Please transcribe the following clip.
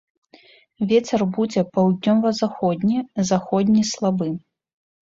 Вецер будзе паўднёва-заходні, заходні слабы.